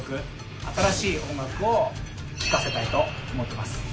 新しい音楽を聴かせたいと思ってます。